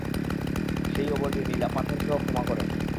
সেই অবধি নীলা-পাথরকে ও ক্ষমা করে না।